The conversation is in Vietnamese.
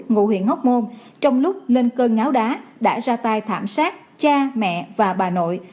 ngụ huyện hóc môn trong lúc lên cơn ngáo đá đã ra tay thảm sát cha mẹ và bà nội